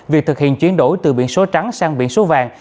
việc thực hiện chuyển đổi từ biển số trắng sang biển số vàng